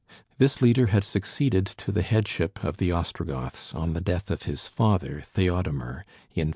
This leader had succeeded to the headship of the Ostrogoths on the death of his father Theodomir in 474.